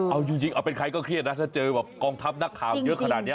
เอาจริงเอาเป็นใครก็เครียดนะถ้าเจอแบบกองทัพนักข่าวเยอะขนาดนี้